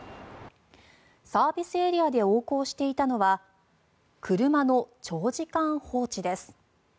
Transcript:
サービスエリアで横行していたのは車の長時間放置です。